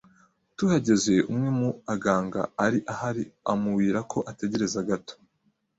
Tuhageze umwe mu aganga ari ahari amuwira ko ategereza gato